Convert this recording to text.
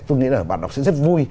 tôi nghĩ là bản đọc sẽ rất vui